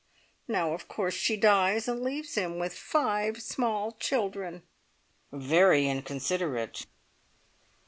Now, of course, she dies, and leaves him with five small children." "Very inconsiderate!"